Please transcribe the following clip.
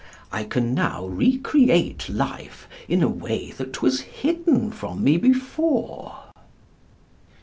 I can now recreate life in a way that was hidden from me before."